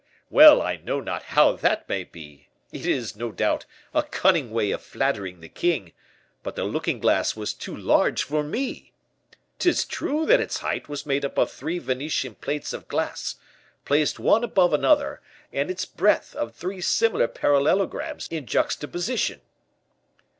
well, I know not how that may be; it is, no doubt, a cunning way of flattering the king; but the looking glass was too large for me. 'Tis true that its height was made up of three Venetian plates of glass, placed one above another, and its breadth of three similar parallelograms in juxtaposition."